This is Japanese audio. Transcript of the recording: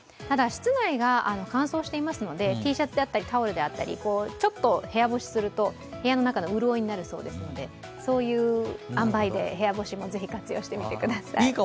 ただ、室内が乾燥していますのでＴシャツだったりタオルだったりちょっと部屋干しすると部屋の中の潤いになるそうですのでそういうあんばいで部屋干しもぜひ活用してみてください。